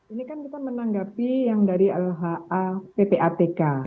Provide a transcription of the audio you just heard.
ini kan kita menanggapi yang dari lha ppatk